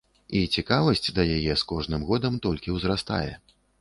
І цікавасць да яе з кожным годам толькі ўзрастае.